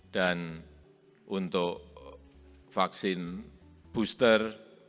dan untuk vaksin booster